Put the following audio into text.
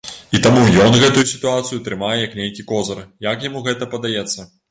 І таму ён гэтую сітуацыю трымае як нейкі козыр, як яму гэта падаецца.